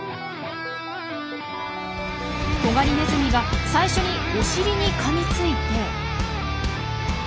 トガリネズミが最初におしりにかみついて。